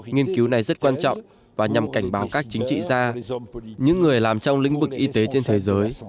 nghiên cứu này rất quan trọng và nhằm cảnh báo các chính trị gia những người làm trong lĩnh vực y tế trên thế giới